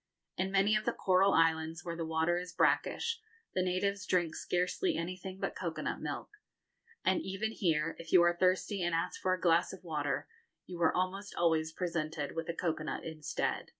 In many of the coral islands, where the water is brackish, the natives drink scarcely anything but cocoa nut milk; and even here, if you are thirsty and ask for a glass of water, you are almost always presented with a cocoa nut instead.